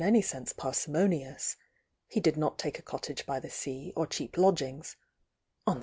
'""'® parsimonious; he did not take a cottage by the sea, or cheap lodgingB, on the S!